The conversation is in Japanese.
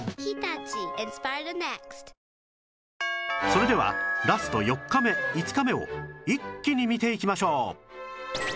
それではラスト４日目５日目を一気に見ていきましょう